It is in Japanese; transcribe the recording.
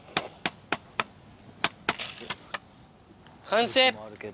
完成！